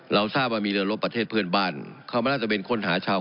เราทราบว่ามีเรือลบประเทศเพื่อนบ้านเขาไม่น่าจะเป็นค้นหาชาว